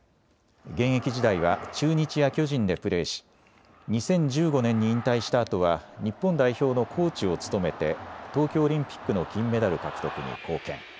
現役時代は中日や巨人でプレーし２０１５年に引退したあとは日本代表のコーチを務めて東京オリンピックの金メダル獲得に貢献。